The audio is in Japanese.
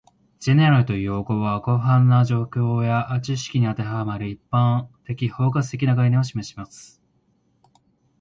"General" という用語は、広範な状況や知識に当てはまる、一般的・包括的な概念を示します